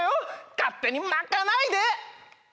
勝手に巻かないで！